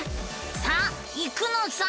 さあ行くのさ！